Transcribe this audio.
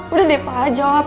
udah deh pak jawab